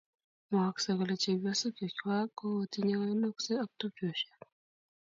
mwaksei kole chepyosok chechwak ko kotinye konaigsu ak tupchoshiek